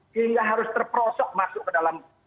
sehingga harus terprosok masuk ke dalam dumpur